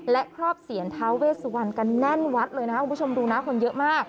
และครอบเสียรท้าเวสวันกันแน่นวัดเลยนะครับคุณผู้ชมดูนะคนเยอะมาก